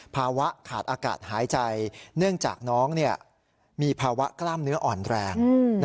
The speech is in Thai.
ภาวะขาดอากาศหายใจเนื่องจากน้องมีภาวะกล้ามเนื้ออ่อนแรง